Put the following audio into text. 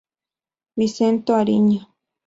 Vicente Ariño